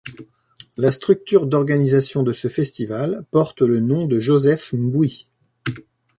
La structure d'organisation de ce festival porte le nom de Joseph Mboui.